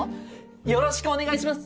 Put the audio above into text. よろしくお願いします！